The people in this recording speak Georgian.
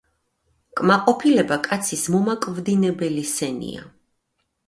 კმაყოფილება კაცის მომაკვდინებელი სენია.